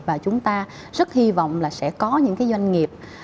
và chúng ta rất hy vọng là sẽ có những cái doanh nghiệp